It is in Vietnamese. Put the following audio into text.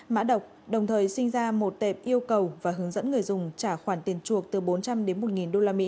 mã độc đồng thời sinh ra một tệp yêu cầu và hướng dẫn người dùng trả khoản tiền chuộc từ bốn trăm linh đến một usd